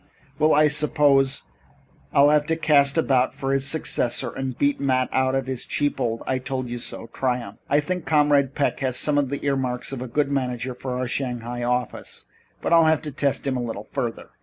"Well, I suppose I'll have to cast about for his successor and beat Matt out of his cheap 'I told you so' triumph. I think Comrade Peck has some of the earmarks of a good manager for our Shanghai office, but I'll have to test him a little further."